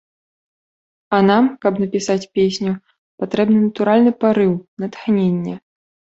А нам, каб напісаць песню, патрэбны натуральны парыў, натхненне.